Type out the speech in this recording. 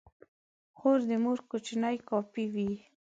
خور د مور کوچنۍ کاپي وي.